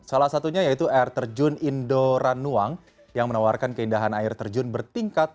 salah satunya yaitu air terjun indoranuang yang menawarkan keindahan air terjun bertingkat